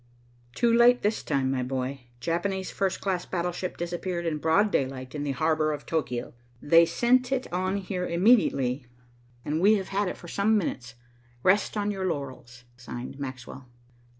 "Too late, this time, my boy. Japanese first class battleship disappeared in broad daylight in the harbor of Tokio. They sent it on here immediately, and we have had it for some minutes. Rest on your laurels." Signed, Maxwell.